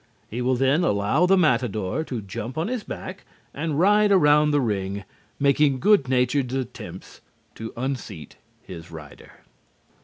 He will then allow the matador to jump on his back and ride around the ring, making good natured attempts to unseat his rider.